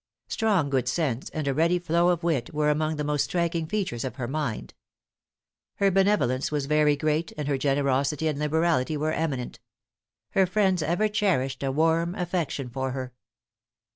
Strong good sense, and a ready flow of wit, were among the most striking features of her mind. Her benevolence was very great, and her generosity and liberality were eminent. Her friends ever cherished a warm affection for her.